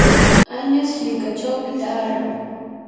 añas hirkachawmi taaran.